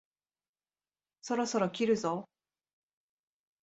そろそろ切るぞ？